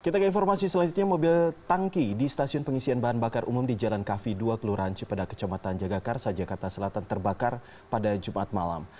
kita ke informasi selanjutnya mobil tangki di stasiun pengisian bahan bakar umum di jalan kafi dua kelurahan cipeda kecamatan jagakarsa jakarta selatan terbakar pada jumat malam